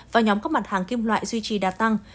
và nhóm các mặt hàng kim loại duy trì đa tăng